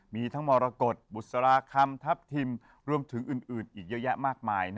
มีทั้งมรกฏบุษราคำทัพทิมรวมถึงอื่นอีกเยอะแยะมากมาย